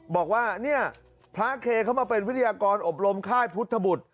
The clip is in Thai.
บอกว่าเนี่ยพระเคเข้ามาเป็นวิทยากรอบรมค่ายพุทธบุตร